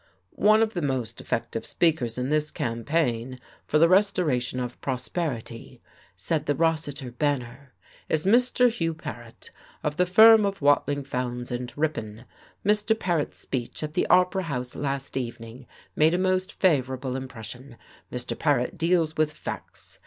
"One of the most effective speakers in this campaign for the restoration of Prosperity," said the Rossiter Banner, "is Mr. Hugh Paret, of the firm of Watling, Fowndes and Ripon. Mr. Paret's speech at the Opera House last evening made a most favourable impression. Mr. Paret deals with facts.